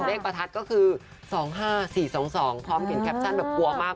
ประทัดก็คือ๒๕๔๒๒พร้อมเขียนแคปชั่นแบบกลัวมาก